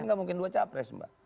kan gak mungkin dua capres mbak